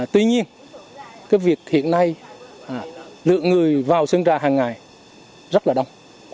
tuy nhiên cái việc hiện nay lượng người vào sơn trà hàng ngày rất là đông